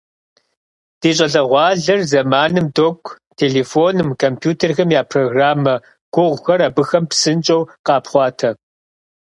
Ди щӏалэгъуалэр зэманым докӏу - телефоным, компьютерхэм я программэ гугъухэр абыхэм псынщӏэу къапхъуатэ.